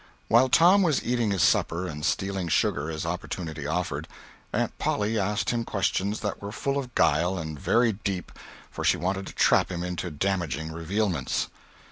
While Tom was eating his supper, and stealing sugar as opportunity offered, Aunt Polly asked him questions that were full of guile, and very deep—for she wanted to trap him into damaging revealments.